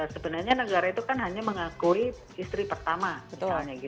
sebenarnya negara itu kan hanya mengakui istri pertama misalnya